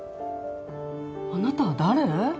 あなた誰？